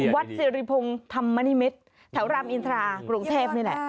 วัดสิริพงศ์ธรรมนิมิตรแถวรามอินทรากรุงเทพนี่แหละ